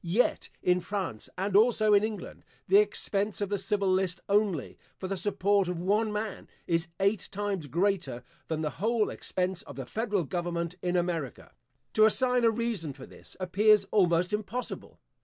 Yet, in France, and also in England, the expense of the civil list only, for the support of one man, is eight times greater than the whole expense of the federal government in America. To assign a reason for this, appears almost impossible.